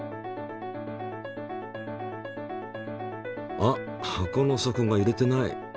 あっ箱の底がゆれてない。